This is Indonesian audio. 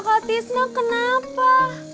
kakak tizna kenapa